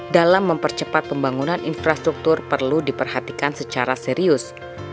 dalam mempercepat pembangunan infrastruktur perlu diperhatikan secara serius